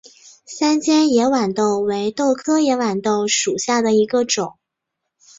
三尖野豌豆为豆科野豌豆属下的一个种。